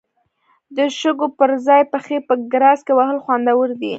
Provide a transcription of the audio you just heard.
د شګو پر ځای پښې په ګراس کې وهل خوندور دي.